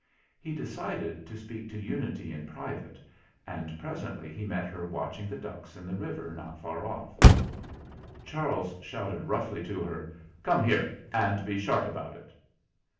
He decided to speak to Unity in private, and pres ently he met her watching the ducks in the river not far off. Charles shouted roughly to her : "Come here, and be sharp about it